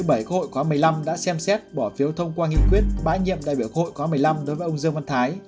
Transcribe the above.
quốc hội khóa một mươi năm đã xem xét bỏ phiếu thông qua nghị quyết bãi nhiệm đại biểu hội khóa một mươi năm đối với ông dương văn thái